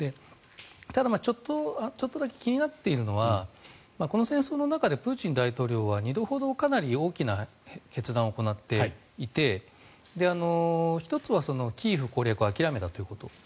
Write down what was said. ただちょっとだけ気になっているのはこの戦争の中でプーチン大統領は２度ほどかなり大きな決断を行っていて１つはキーウ攻略は諦めたということ。